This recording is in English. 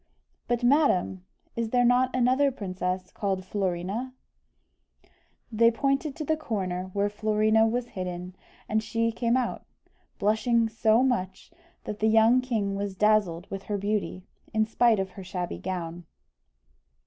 "But, madam, is there not another princess called Florina?" They pointed to the corner where Florina was hidden, and she came out, blushing so much, that the young king was dazzled with her beauty, in spite of her shabby gown.